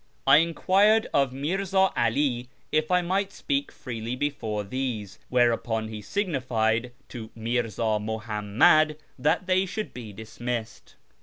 I enquired of Mirza 'All if I might speak freely before these, whereupon he signified to Mirza Muhammad that they should be dismissed.